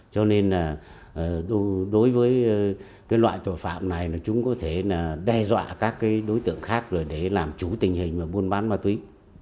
cho nên đối với loại tội phạm này chúng có thể đe dọa các đối tượng khác để làm chú tình hình buôn bán ma túy